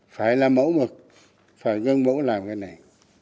phải làm mẫu mực phải ngân mẫu làm cái này